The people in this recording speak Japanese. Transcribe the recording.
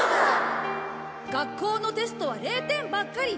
学校のテストは０点ばっかり。